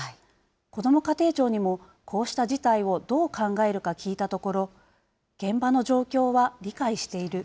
こども家庭庁にも、こうした事態をどう考えるか聞いたところ、現場の状況は理解している。